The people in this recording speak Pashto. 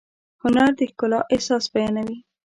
هنر د ښکلا احساس بیانوي.